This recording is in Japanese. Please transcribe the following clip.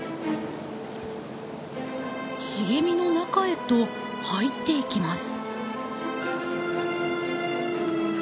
茂みの中へと入っていきます。